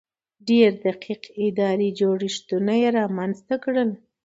ډېر دقیق اداري جوړښتونه یې رامنځته کړل.